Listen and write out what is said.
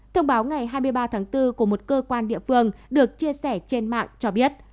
thông báo ngày hai mươi ba tháng bốn của một cơ quan địa phương được chia sẻ trên mạng cho biết